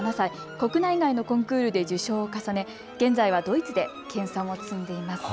国内外のコンクールで受賞を重ね現在はドイツで研さんを積んでいます。